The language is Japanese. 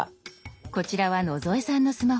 こちらは野添さんのスマホ。